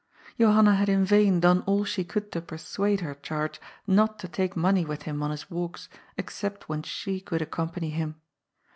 Johanna had in vain done all she could to persuade her charge not to take money with him on his wfldks, except when she could accompany him.